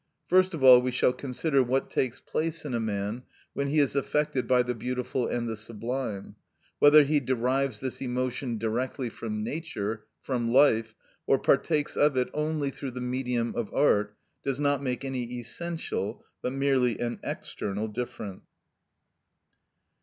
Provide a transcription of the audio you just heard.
First of all we shall consider what takes place in a man when he is affected by the beautiful and the sublime; whether he derives this emotion directly from nature, from life, or partakes of it only through the medium of art, does not make any essential, but merely an external, difference.